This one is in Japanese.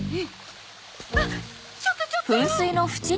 あっちょっとちょっと！